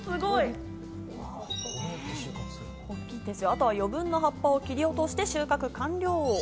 あとは余分な葉っぱを切り落として収穫完了。